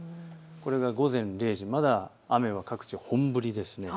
これが午前０時、まだ雨は各地、本降りです。